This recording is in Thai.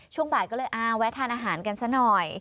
ช่วงบ่ายก็เลยแวะทานอาหารกันซะหน่อย